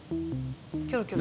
キョロキョロ。